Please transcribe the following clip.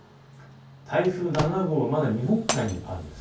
台風７号はまだ日本海にあるんです。